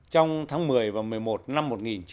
trong tháng một mươi và một mươi một năm hai nghìn một mươi chín